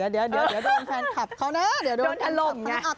เดี๋ยวโดนแฟนคลับเขานะเดี๋ยวโดนถล่มนะ